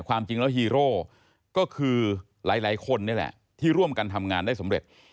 ความจริงแล้วฮีโร่ก็คือหลายคนนี่แหละที่ร่วมกันทำงานได้สำเร็จ